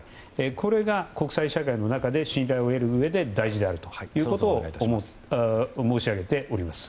これが国際社会の中で信頼を得るうえで大事であると申し上げております。